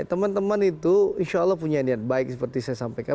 teman teman itu insya allah punya niat baik seperti saya sampaikan